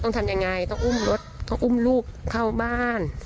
ทำยังไงต้องอุ้มรถต้องอุ้มลูกเข้าบ้าน